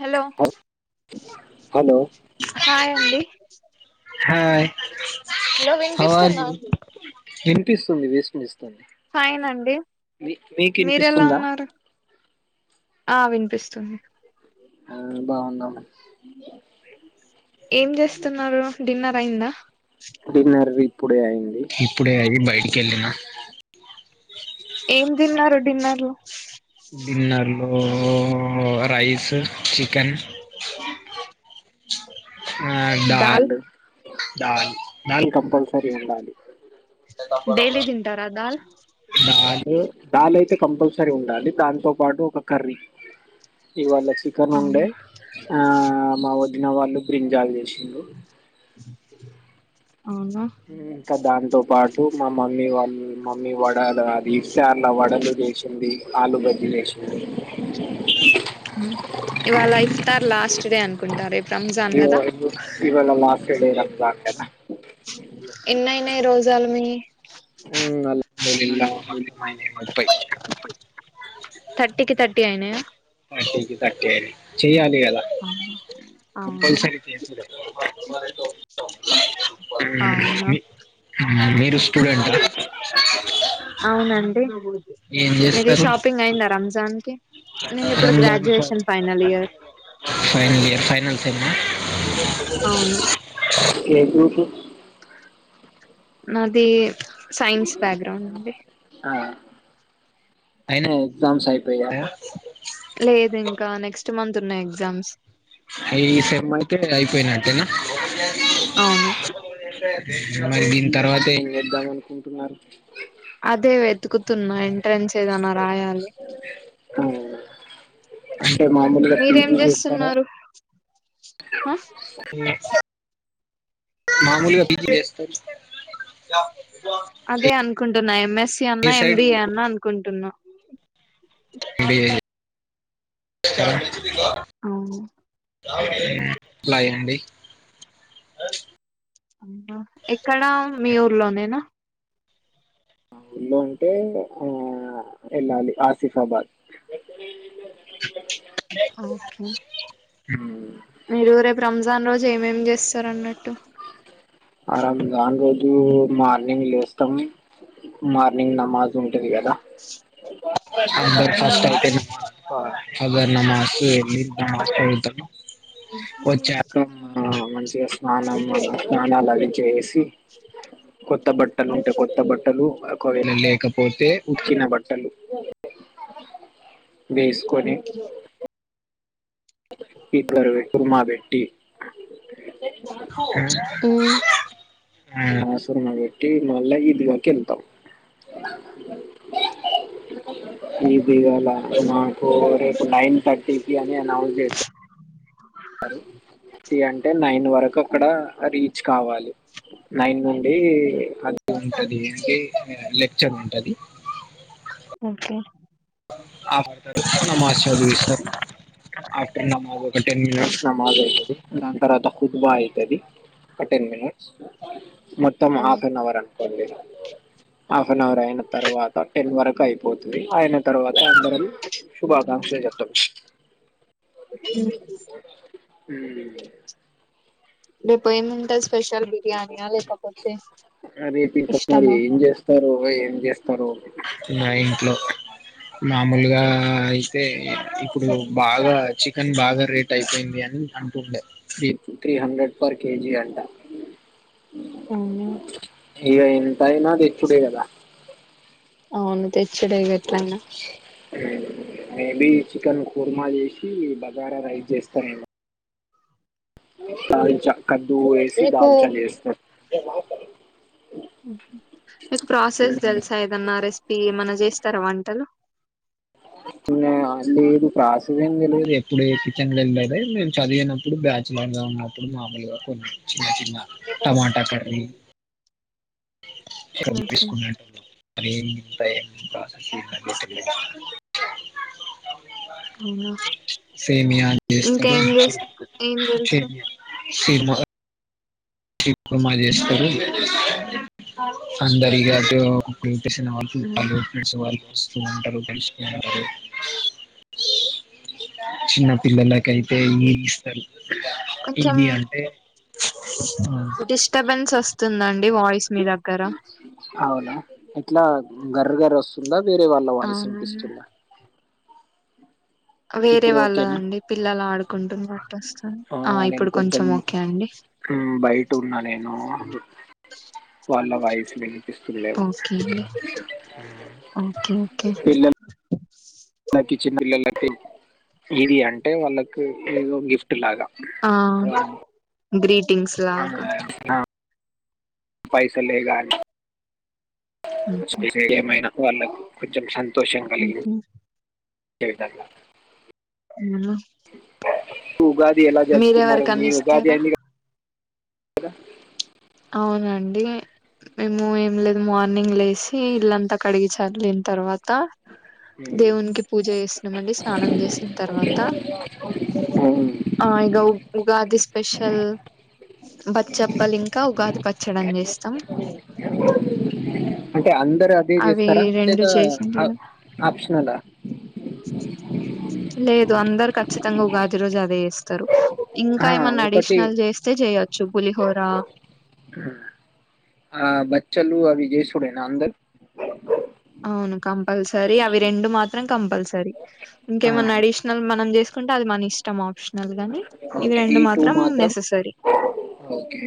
Hello హ hello hi అండి hi ఇంకా వినిపిస్తుందా స్తుంది వే ఫైన్ అండి మీకు మీరు ఎలా వినిపిస్తుందా ఉన్నారు ఆ వినిపిస్తుంది ఆ బాగుందావు అ ఏం చేస్తున్నారు డిన్నర్ అయిందా డిన్నర్ ఇప్పుడే అయింది ఇప్పుడే అయిి బయటికి వెళ్ళిన ఏం తిన్నారు డిన్నర్లు బిన్నార్లు రైస్ చికెన్ ఆ దాల్ దాలు దాల్ దాల్ కంపల్సరీ ఉండాలి డైలీ తింటారా అ దాల్ దాల్ దాలయితే కంపల్సరీ ఉండాలి దాంతో పాటు ఒక కర్రీ ఇవాళ చికన్ ఉండే అవునా ఆ మా వదిన వాళ్ళు బ్రింజాల్ చేసిండ్రు [inaudible] ఇంకా దాంతో పాటు మామ మమ్మీ వాళ్ళు మమ్మీ వడలు అది ఇస్తే ఆలువడలు చేసింది ఆలు తినేసి [inaudible] ఇవాళ ఇఫ్తార్ లాస్ట్ డే అనుకుంటా రంజాన్ కదా [unintelligible] మే రోజల మీ హుం అళ ముప్పై థర్టీకి థర్టీ అయినాయా [unintelligible] ఆ కంపల్సరి అవునా [inaudible] అవునండి ఏం మీది చేస్తారు షాపింగ్ అయింద రా దానికి నేను ఇప్పుడు graduation final year final year final సే అవును ఏ గ్రూపు అది సైన్స్ బ్యాక్గ్రౌండ్ అండి ఆ అయినా ఎగ్జామ్స్ అయిపోయాయా లేదు ఇంకా నెక్స్ట్ మంత్ ఉన్నాయి ఎగ్జామ్స్ పోయినాంటేనా అవును మరి దీని తర్వాత ఏం చేద్దాం అనుకుంటున్నారు అదే వెతుకుతున్నా ట్రెంస్ చేదానా రాయాలి అ అే మామూలుగా మీరేం పజ చేస్తారా చేస్తున్నారు ఆ మామూలు బి వస్ అదే అనుకుంటున్నా ఎంఎస్సి ఏ అన్నా సైడ్ ఎంబిఏ అన్నా అనుకుంటున్నా అ అవు లాయండి అవునా ఎక్కడ మీ ఊర్లోనేనా ఊళ్ళ అంటే ఆ వెళ్ళాలి ఆసిఫాబాద్ ఓకే ఉ మీరు రేపు రంజాన్ రోజు ఏమేం చేస్త ఆరందా అనిదు మార్నింగ్ లేస్తం మార్నింగ్ నమాజ్ ంటది కదా ఫస్ట్ అవును అయితేర్ మార్ వెతాను వచ్చాక మంచిగా వ స్నాన స్నానాలు అవి చేసి కొత్త బట్టలు ఉంటే కొత్త బట్టలు ఒకవేళ లేకపోతే ఉతికిన బట్టలు వేసుకొని ఓకే ఇద్దరు వె కుర్మా పెెట్టి ఓ ఉమ్. ఆసుర పెట్టి మళ్ళా ఈద్గాకి వెళ్తాం ఈద్గా మాకు రేపు నైన్ థర్టీకిి అని విష సారు అంటే నైన్ వరకు అక్కడ ర కావాలి నైన్ నుండి అ ఉంటది అంటే లెక్చర్ ఉంటది ఓకే ఆ పతారు నమ్స్ చదు ఇష్ట ఆఫ్టర్ నమ్ టెన్ మట్స్ ఆహా. నజ అదు నంతర కుతుబా అయితది టెన్ మనిట్స్ మొత్తం half um. An hour a half an hour అయిన తర్వాత టెన్ వరకు అయిపోతుంది ఆయన తరవాత్ ఏ అందరం శుభాకాంక్షల్ జప్ మ్మ్ లేద్ రేపు ఏముంటది స్పెషల్ బిర్యాని యా లేకపోతే రేపు ఇంకా మరి ఇష్టమా ఏం చేస్తారు ఏం చేస్తారు నా ఇంట్లో మామూలుగా అయితే ఇప్పుడు బాగా చికన్ బాగా రేట్ అయిపోయింది అని అంటుండే three three hundred per KG అంట అవునా ఇగ ఎంతయినా తెచ్చుడే గదా అవును తెచ్చుడే గేట్లైనా చికన్ కుర్మా చేేసి బగారా రైస్ జేస్తా మల్ల దాల్చా కద్దూ ఏసి మీకు దాల్చల్ ఏస్తర్ మీకు ప్రాసెస్ తెల్సా ఏదన్నా రెసిపీ ఏమన్నా జేస్తారా వంటలు ఇంగ లేదు ప్రాసెస్ ఏం తెలీదు ఎప్పుడే కిచెన్ లో ఎల్లలేదా నేను చదివినప్పుడు బ్యాచులర్ గా ఉన్నప్పుడు మామూలుగా కొన్ని చిన్న చిన్న టమాటా కర్రీ కర్రీ ఓకే చేసుకునేటోల్లం మరీ ఇంత ఏం ప్రాసెస్ అవునా [unintelligible] సేమియా జేస్తడు ఇంకేం చేస్ ఏం తెలుసు చేమియా షీల్మగ షీల్కుర్మ చేస్తరు అందరిగ జో చేసిన వాళ్ళు అండ్ ఫ్రెండ్స్ వాళ్ళు వస్తూ ఉంటరు కలుసుకుంటరు చిన్న పిల్లలకైతే ఓకే ఈష్ తడి ఇదీ అంటే ఆ, డిస్టపెన్స్ వస్తుందన్ డి వాయిస్ మీ దగ్గర అవునా ఎట్లా గర్ గర్ వస్తుందా వేరే వాళ్ళ వాయిస్ అవును ఇన్పిస్తుందా వేరే ఓకేనా వాళ్ళదండి పిల్లలు ఆడుకుంటున్నట్టు వస్తు ఆ నేను ఇప్పుడు కొంచెం ఓకే అండి మ్, బయట ఉన్నా నేను వాళ్ళ వాయిస్ వినిపిస్తుండలేవు ఓకే అండి ఓకే ఓకే పిల్లలకి చిన్న పిల్లలకి ఇది అంటే వాళ్ళకు ఏదో గిఫ్ ఫ్ట్ లాగ గ్రి ఆ పైసాలే గాని ఓకే ఏమైనా వాళ్ళకు కొంచెం సంతోషం కలిగింది ఓకే [unintelligible] అవునా ఉగాది ఎలా చేసుకున్నారు మీ మీరెవరికన్నా ఉగాది ఇస్తారా అన్ని కదా అవునండి మేము ఏం లేదు మార్నింగ్ లేసి ఇల్లంతా కడిగి చల్లిన తర్వాత కదా మ్, దేవునికి పూజ చేసినమండి స్నానం చేసిన తర్వాత మ్. ఆ ఇగ ఉగాది స్పెషల్ బచ్చప్పలు ఇంకా ఉగాది పచ్చడం చేస్తాం అంటే అందరు అదే అవి చేస్తారా రెండు లేదా చేసిండ్ర ఆప్షనలా లేదు అందరు ఖచ్చితంగా ఉగాది రోజు అదే చేస్తరు ఇంకా ఆ ఏమన్నా ఒకటి అడిషనల్ చేస్తే చేయొచ్చు పులి పోరా ఆ బచలులు అవి జసుడే అందరు అం కంపల్సర ఆ ఇంకేమన్నా అడిషనల్ మనం చేస్తే ంటే అది మన ఇష్టం ఆప్షన్ ఓకే ఈ టూ మాత్రం నెససరీ ఓకే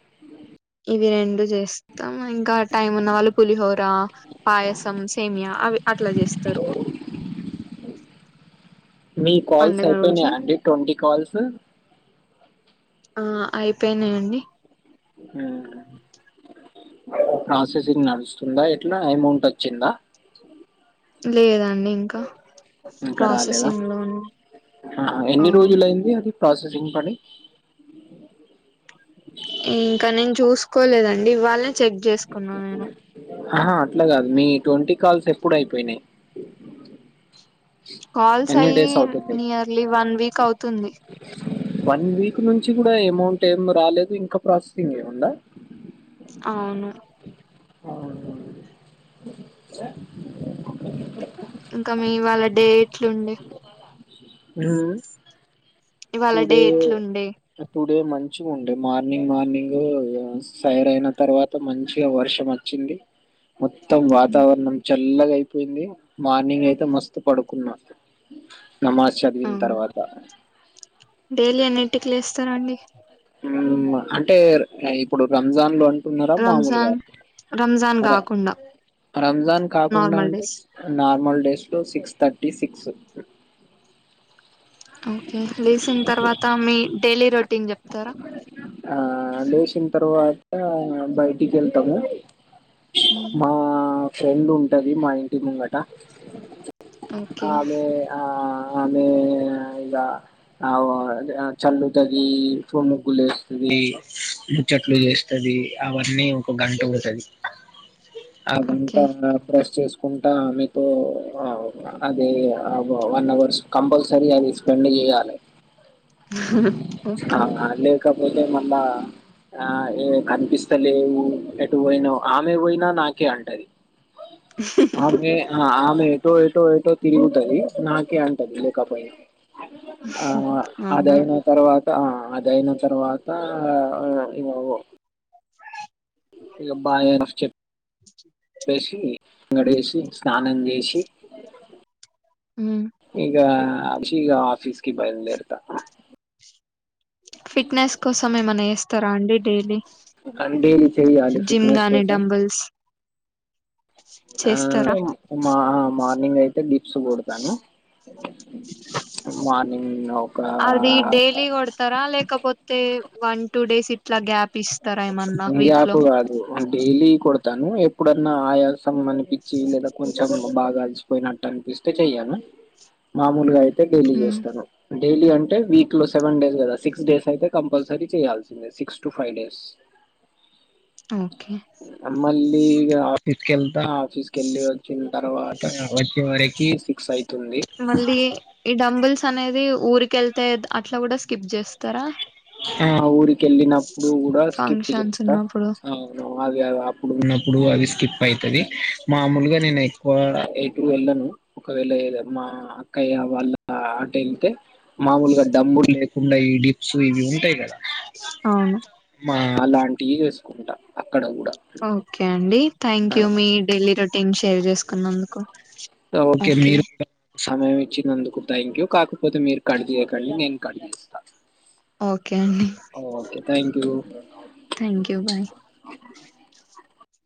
ఉ ఇవి రం చేస్తాం ఇంకా టైం ఉన్న వాళ్ళు పులిహోర పాయసం సేమయ అవి అట్లా చేస్తారు మీ కాల్స్ పడుగ రోజు అయిపోయినాయా అండి ట్వంటీ కాల్స్ ఆ అయిపోయినాయంండి ప్రాసెసింగ్ నడుస్తుందా ఎట్లా అమౌంట్ వచ్చిందా లేదా ఇంకా రాలేదా లో ఉన్నాయి ఎన్ని అవును రోజులుయింది అది ప్రాసెసింగ్ పని కోలేదండి వాళ చెక్ చేసుకున్నా నేను ఆహా అట్లా కాదు మీ ట్వంటీ కాల్స్ ఎప్పుడు అయిపోయినాయి కాల్స్ ఎన్ని అయి్యి డేస్ అవుతుంది నియర్లీ వన్ వీక్ అవుతు తుంది వన్ వీక్ నుంచి కూడా ఎమౌంట్ ఏం రాలేదు ఇంకా ప్రాసెసింగ్ ఏముందా అవును అవును స ఇంకా మీ వాళ్ళ డే ఎట్లుండే మ్మ్ ఇవాళ డే టుడే ఎట్లుండే డే మంచిగా ఉండే మార్నింగ్ మార్నింగ్ సైర్ అయిన తర్వాత మంచిగా వర్షం వచ్చింది మొత్తం వాతావరణం చల్ ఇల్లగా అయిపోయింది మార్నింగ్ అయితే మస్తు పడుకున్నా నమాజ్ చదివిన అవును తర్వాత డైలీ ఎన్నిటికి లేస్తారండి అంటే ఇప్పుడు రంజాన్ లో వున్నారా మామూలుగా రంజాన్ రంజాన్ ర కాకుండా రంజాన్ కాకుండా నార్మల్ అంటే డేస్ నార్మల్ డేస్ లో సిక్స్త్ థర్టీ సిక్స్ ఓకే లేసిన తర్వాత మీ డైలీ రొ టీన్ చెప్తారా లేసిన తర్వాత బయటికి వెళ్తాము మా ఫ్రెండ్ ఉంటుంది మా ఇంటి ముంగట ఓకే అ అదే ఆ ఆమె ఇక ఆ చల్లుతుంది. ఇంట్లో ముగ్గులు వేస్తుంది, ముచ్చట్లు చేస్తది అవన్నీ ఒక గంట పోతది ఆ ఓకే గుంటా [unintelligible] ప్రాస్ చేసు కుంటా ఆమెతో ఆ అదే వన్ అవర్స్ కంపల్సరీ అది స్పెండ్ చేయాలి ఆ ఓకే లేకపోతే మళ్ళా ఆ ఏ కనిపిస్తలేవు ఎటు పోయినా ఆమె పోయినా నాకే అంటది ఆమె ఆమె ఏటో ఏటో తిరుగుతది నాకే అంటది లేకపోయినా ఆ అమ్మ అవునా అదయిన తర్వాత అదయిన తర్వాత ఇ ఇబాయే ఈనాస్ చెప్ లేసింది గడేసి స్నానం చేసి ఇకా ఆఫిసి ఆఫస్కి బైలు దేరుత ఫిట్నెస్ కోసం ఏమన్నా చెస్ట్ స్తారా అండి డైలీ, డైలీ చెయ్యాలి జిమ్ ఫిట్నెస్ గాని కోసం డబుల్స్ ఆ మార్నింగ్ అయితే డిప్స్ కొడతాను మార్నింగ్ ఒక అది డైలీ కొడతారా లేక పోతే వన్ టూ డేస్ ఇట్లా గ్యాప్ ఇస్త ఏం గ్యాప్ అది డైలీ కొడతా ాను ఎప్పుడన్నా ఆయా అనిపించి లేదా కొంచెం బాగా అలసి నట్టు అనిపిస్తే చెయ్యను, మామూలుగా అయితే అ డైలీ చేస్తాను డైలీ అంటే వీక్ లో సెవెన్ డేస్ కదా సిక్స్ డేస్ అయితే కంపల్సరీ చేయాల్సిందే six to five days okay మళ్ళీ ఇగ ఆఫీస్ కెల్టా ఆఫీస్కెళ్ళి వచ్చిన తర్వాత వచ్చ కే సిక్స్ ఐదే మళ్ళీ ఈ డంబుల్స్ అనేది ఊరిక వెళ్తే అట్లా కూడా స్కిప్ చేస్తారా ఆ ఊరిక వెళ్ళినప్పుడు కూడా స్కిప్ ఫంక్షన్స్ చేస్తా ఉన్నప్పుడు అవును అదే ఇప్పుడు ఉన్నప్పుడు అవి స్కిప్ అవుతది మామూలుగా నేను ఎక్కువ ఎటు వెళ్ళను ఒకవేళ మా అక్కయ్య వాళ్ళ అట వెళ్తే మామూలుగా డమ్బులు లేకుండా ఈ డిప్స్ తూ విింటాయి కదా అవును మా అలాంటివి చేసుకుంట కుంట ఓకే అండి ఆ, థ్యాంక్ మీ డెయిలీ రొటీన్ టీం షేర్ చేసుకున్నందుకు ఓకే మీరు సమయం ఇచ్చినందుకు థ్యాంక్ ూ కాకపోతే మీరు కట్చేయకండి నేను కట్చేస్తాను ఓకే అండి thank you thank you bye